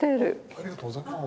ありがとうございます。